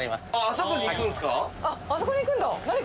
あそこに行くんだ。